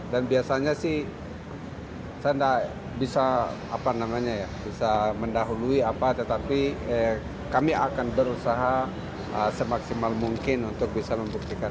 dan biasanya sih saya tidak bisa mendahului apa tetapi kami akan berusaha semaksimal mungkin untuk bisa membuktikan